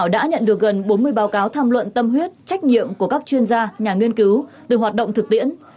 đã nhận được gần bốn mươi báo cáo tham luận tâm huyết trách nhiệm của các chuyên gia nhà nghiên cứu từ hoạt động thực tiễn